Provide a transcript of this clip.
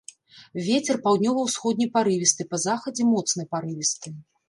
Вецер паўднёва-ўсходні парывісты, па захадзе моцны парывісты.